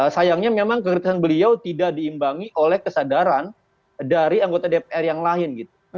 sayangnya memang kekritisan beliau tidak diimbangi oleh kesadaran dari anggota dpr yang lain gitu